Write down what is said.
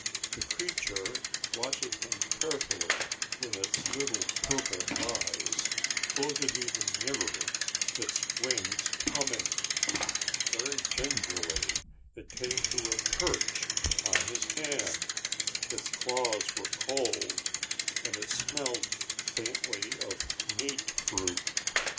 The creature, watching him carefully with its little purple eyes, floated even nearer, its wings humming. Very gingerly it came to a perch on his hand. Its claws were cold and it smelled faintly of meat fruit.